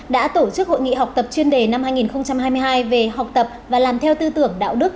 đã tổ chức hội nghị học tập chuyên đề năm hai nghìn hai mươi hai về học tập và làm theo tư tưởng đạo đức